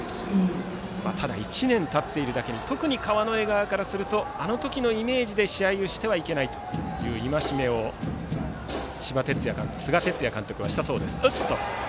ただ１年たっているだけに特に川之江側からはあの時のイメージで試合をしてはいけないという戒めを菅哲也監督はしたそうです。